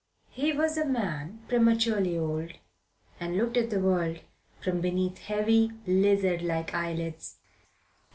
He was a man prematurely old, and looked at the world from beneath heavy, lizard like eyelids.